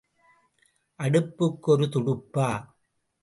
அடுப்புக்கு ஒரு துடுப்பா?